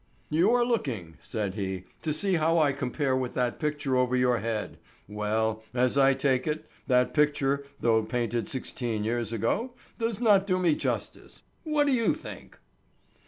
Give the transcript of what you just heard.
"You are looking," said he, "to see how I compare with that picture over your head. Well, as I take it, that picture, though painted sixteen years ago, does not do me justice. What do you think?"